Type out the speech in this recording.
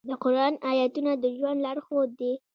د قرآن آیاتونه د ژوند لارښود دي.